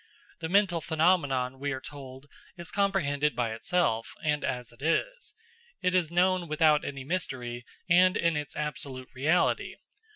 The mental phenomenon, we are told, is comprehended by itself, and as it is; it is known without any mystery, and in its absolute reality.